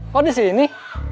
kok di sini